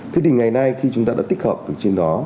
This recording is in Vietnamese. thế thì ngày nay khi chúng ta đã tích hợp ở trên đó